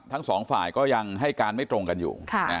ทั้งสองฝ่ายก็ยังให้การไม่ตรงกันอยู่